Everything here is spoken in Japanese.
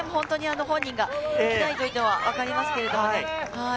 本人が行きたいのはわかりますけれど。